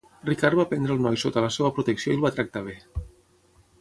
Ricard va prendre el noi sota la seva protecció i el va tractar bé.